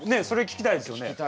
それ聞きたいですよね。